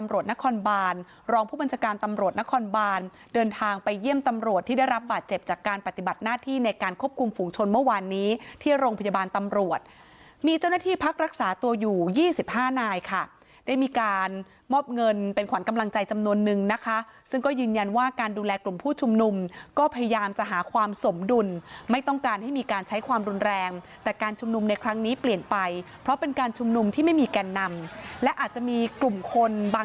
รับบาดเจ็บจากการปฏิบัติหน้าที่ในการควบคุมฝูงชนเมื่อวานนี้ที่โรงพยาบาลตำรวจมีเจ้าหน้าที่พักรักษาตัวอยู่๒๕นายค่ะได้มีการมอบเงินเป็นขวัญกำลังใจจำนวนนึงนะคะซึ่งก็ยืนยันว่าการดูแลกลุ่มผู้ชุมนุมก็พยายามจะหาความสมดุลไม่ต้องการให้มีการใช้ความรุนแรงแต่การชุมนุมในครั้